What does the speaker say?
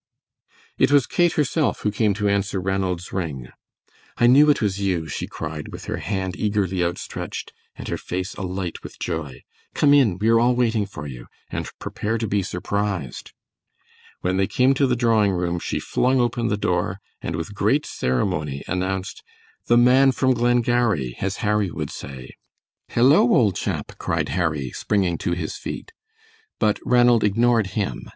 It was Kate herself who came to answer Ranald's ring. "I knew it was you," she cried, with her hand eagerly outstretched and her face alight with joy. "Come in, we are all waiting for you, and prepare to be surprised." When they came to the drawing room she flung open the door and with great ceremony announced "The man from Glengarry, as Harry would say." "Hello, old chap!" cried Harry, springing to his feet, but Ranald ignored him.